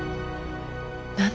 何。